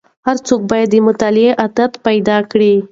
هر څوک باید د مطالعې عادت پیدا کړي.